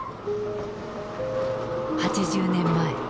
８０年前。